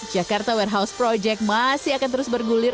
jakarta warehouse project masih akan terus bergulir